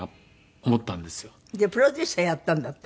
プロデューサーやったんだって？